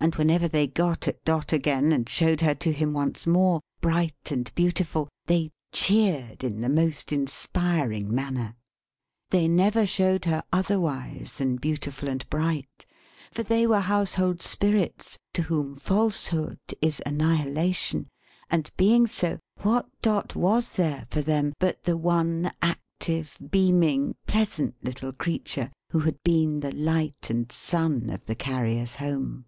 And whenever they got at Dot again, and showed her to him once more, bright and beautiful, they cheered in the most inspiring manner. They never showed her, otherwise than beautiful and bright, for they were Household Spirits to whom Falsehood is annihilation; and being so, what Dot was there for them, but the one active, beaming, pleasant little creature who had been the light and sun of the Carrier's Home!